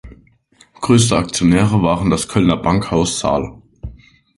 Größte Aktionäre waren das Kölner Bankhaus Sal.